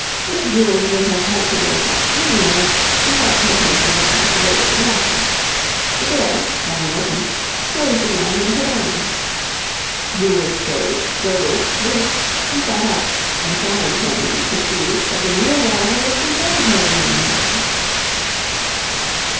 If Jules would have had to wake up anyway, she felt her sense of responsibility lessened. The door, having opened, closed again with a bang. Jules stirred, gurgled, blinked, and sat up, and Sally, turning, perceived that the new arrival was the red haired young man.